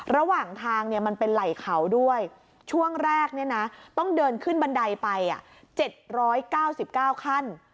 ระหว่างทางมันเป็นไหล่เขาด้วยช่วงแรกต้องเดินขึ้นบันไดไป๗๙๙ขั้น